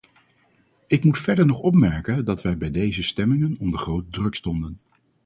Ik moet verder nog opmerken dat wij bij deze stemmingen onder grote druk stonden.